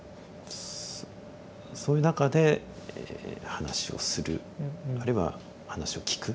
そういう中で話をするあるいは話を聞く